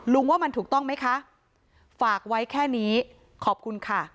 ว่ามันถูกต้องไหมคะฝากไว้แค่นี้ขอบคุณค่ะ